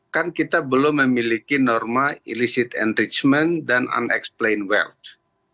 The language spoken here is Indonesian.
kan kita belum memiliki norma illicit enrichment dan unex plain wealth